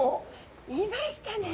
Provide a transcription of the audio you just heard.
いましたね。